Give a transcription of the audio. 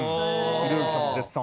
ひろゆきさんも絶賛。